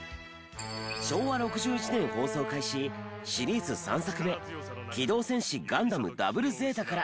昭和６１年放送開始シリーズ３作目『機動戦士ガンダムＺＺ』から。